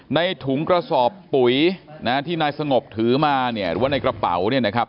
ในถุงกระสอบปุ๋ยนะที่นายสงบถือมาเนี่ยหรือว่าในกระเป๋าเนี่ยนะครับ